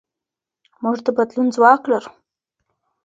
موږ د بدلون ځواک لرو.